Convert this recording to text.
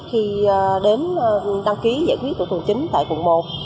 khi đến đăng ký giải quyết thủ tục hành chính tại quận một